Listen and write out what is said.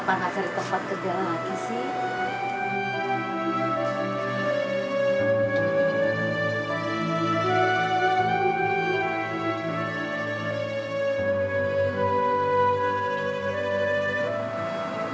bapak kenapa gak cari tempat kerjaan lagi sih